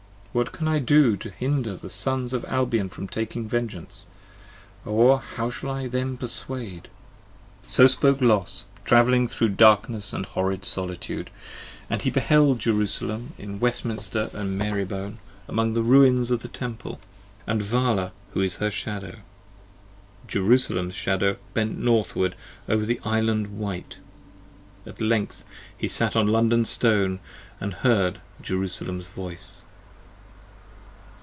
What can I do to hinder the Sons Of Albion from taking vengeance ? or how shall I them perswade ? So spoke Los, travelling thro' darkness & horrid solitude : 40 And he beheld Jerusalem in Westminster & Marybone, 35 Among the ruins of the Temple; and Vala who is her Shadow. Jerusalem's Shadow bent northward over the Island white. At length he sat on London Stone, & heard Jerusalem's voice.